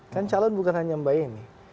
kan calon bukan hanya mbak yeni